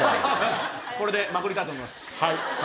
これでまくりたいと思います。